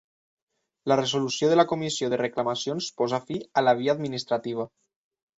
La resolució de la Comissió de Reclamacions posa fi a la via administrativa.